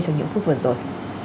trong những phút vừa rồi